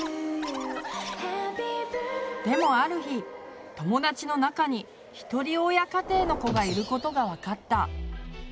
でもある日友だちの中に一人親家庭の子がいることが分かった。